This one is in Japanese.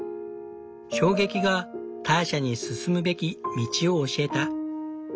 衝撃がターシャに進むべき道を教えた。